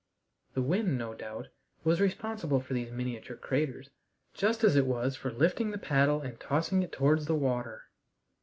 The wind, no doubt, was responsible for these miniature craters, just as it was for lifting the paddle and tossing it towards the water.